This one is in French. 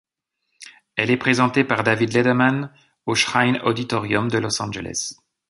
Elle est présentée par David Letterman, au Shrine Auditorium de Los Angeles.